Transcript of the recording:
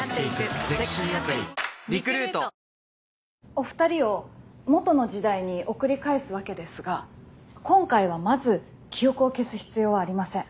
お２人を元の時代に送り返すわけですが今回はまず記憶を消す必要はありません。